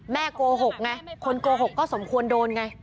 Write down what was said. โกหกไงคนโกหกก็สมควรโดนไง